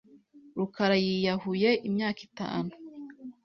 rukara yiyahuye imyaka itatu a